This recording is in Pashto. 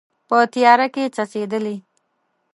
په تیاره کې څڅیدلې